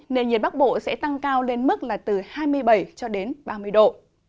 nền nhiệt bắc bộ sẽ tăng cao lên mức là từ hai mươi bảy ba mươi độ